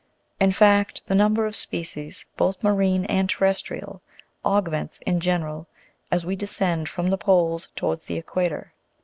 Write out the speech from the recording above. In fact, the number of species, both marine and terrestrial, augments, in general, as we descend from the poles towards the equator.